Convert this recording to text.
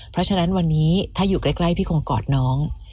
เพราะฉะนั้นวันนี้ถ้าอยู่ใกล้พี่คงกอดน้อง